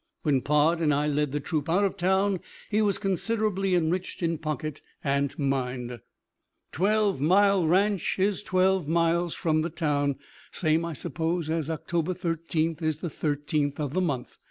When Pod and I led the troop out of town, he was considerably enriched in pocket and mind. Twelve mile ranch is twelve miles from the town. Same, I suppose, as October thirteenth is the 13th of the month.